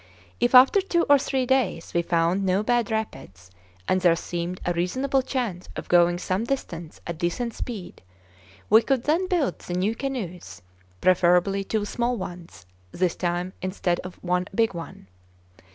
If after two or three days we found no bad rapids, and there seemed a reasonable chance of going some distance at decent speed, we could then build the new canoes preferably two small ones, this time, instead of one big one.